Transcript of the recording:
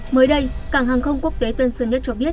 mới đây cảng hàng không quốc tế tân sơn nhất cho biết